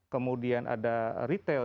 kemudian ada retail